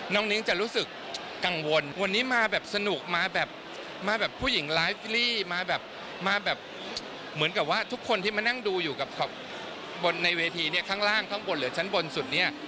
นิ้งจะรู้สึกกังวลวันนี้มาแบบสนุกมาแบบมาแบบผู้หญิงไลฟ์มาแบบมาแบบเหมือนกับว่าทุกคนที่มานั่งดูอยู่กับบนในเวทีเนี่ยข้างล่างข้างบนหรือชั้นบนสุดเนี่ย